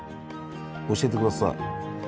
教えてください。